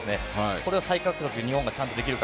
これを日本がちゃんとできるか。